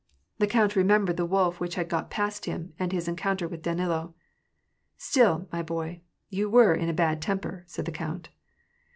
The connt remembered the wolf which had got past him, and his encounter with Danilo. " Stilly my boy, you were in a bad temper," said the count.